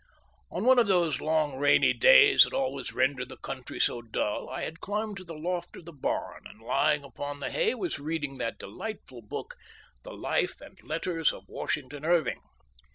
On one of those long rainy days that always render the country so dull I had climbed to the loft of the barn, and lying upon the hay was reading that delightful book "The Life and Letters of Washington Irving."